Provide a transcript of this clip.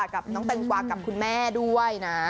กับน้องแตงกวากับคุณแม่ด้วยนะ